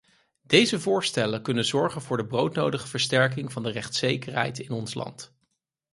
Deze voorstellen kunnen zorgen voor de broodnodige versterking van de rechtszekerheid in ons land.